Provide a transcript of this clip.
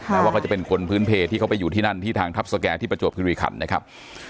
ว่าเขาจะเป็นคนพื้นเพลที่เขาไปอยู่ที่นั่นที่ทางทัพสแก่ที่ประจวบคิริขันนะครับ